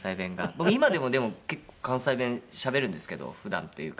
僕今でもでも結構関西弁しゃべるんですけど普段っていうか。